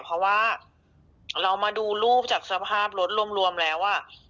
เพราะว่าเรามาดูรูปจากสภาพรถรวมแล้ว